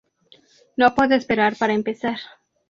No puedo esperar para empezar.